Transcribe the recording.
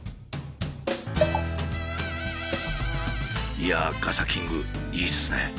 いやあガサキングいいですね。